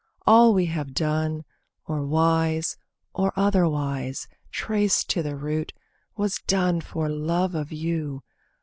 All we have done, or wise, or otherwise, Traced to the root, was done for love of you.